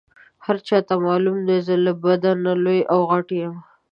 هر چاته معلومه ده زه له بدنه لوی او غټ یم.